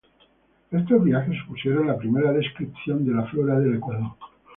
Estos viajes supusieron la primera descripción de la flora del Ecuador.